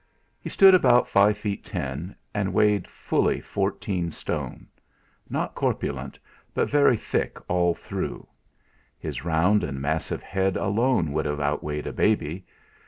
He stood about five feet ten, and weighed fully fourteen stone; not corpulent, but very thick all through; his round and massive head alone would have outweighed a baby.